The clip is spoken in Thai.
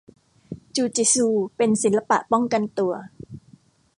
จูจิซูเป็นศิลปะป้องกันตัว